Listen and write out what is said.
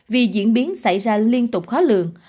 vì diễn biến xảy ra liên tục khó lường